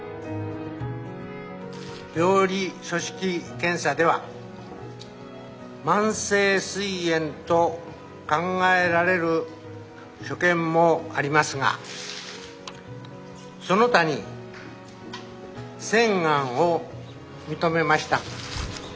病理組織検査では慢性すい炎と考えられる所見もありますがその他に腺ガンを認めました。